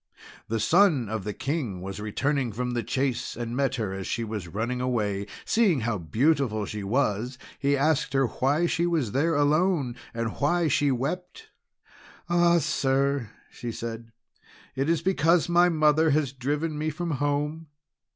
The son of the King was returning from the chase, and met her as she was running away. Seeing how beautiful she was, he asked her why she was there alone, and why she wept. "Ah, sir," she said, "it is because my mother has driven me from home."